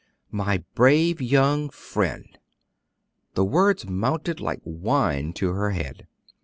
"My brave young friend!" The words mounted like wine to her head.